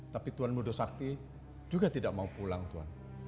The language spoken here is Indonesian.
tapi tuhan muda sakti juga tidak mau pulang tuhan